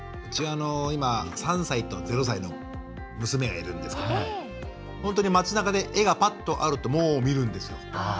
今、３歳と０歳の娘がいるんですけど本当に街なかで、絵があるともう見るんですよ。